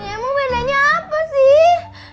emang bedanya apa sih